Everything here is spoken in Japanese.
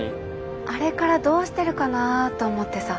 あれからどうしてるかなぁと思ってさ。